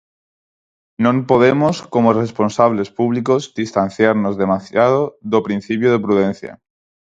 Non podemos, como responsables públicos, distanciarnos demasiado do principio de prudencia.